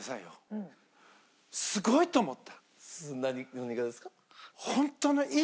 何がですか？